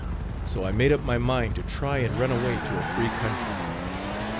So I made up my mind to try and run away to a free country.